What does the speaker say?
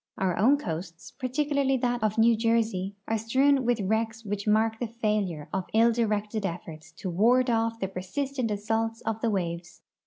Our own coasts, particularly that of New Jersey, are strewn with wrecks which mark the failure of ill directed efforts to ward off the persistent assaults of the waves.